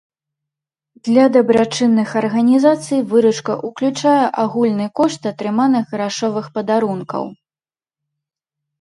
Для дабрачынных арганізацый выручка ўключае агульны кошт атрыманых грашовых падарункаў.